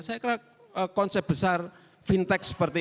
saya kira konsep besar fintech seperti ini